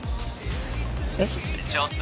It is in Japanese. えっ？